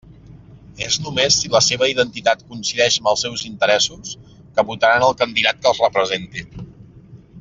És només si la seva identitat coincideix amb els seus interessos, que votaran el candidat que els representi.